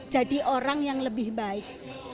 jadi orang yang lebih baik